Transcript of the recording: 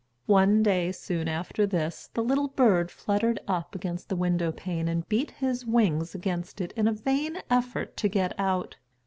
One day soon after this, the little bird fluttered up against the window pane and beat his wings against it in a vain effort to get out.